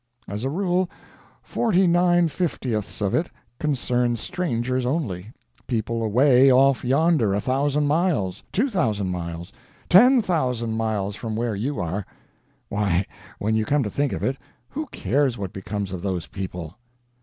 As a rule, forty nine fiftieths of it concerns strangers only people away off yonder, a thousand miles, two thousand miles, ten thousand miles from where you are. Why, when you come to think of it, who cares what becomes of those people?